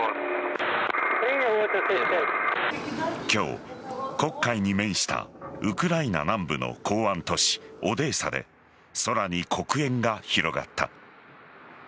今日、黒海に面したウクライナ南部の港湾都市オデーサで空に黒煙が広がった。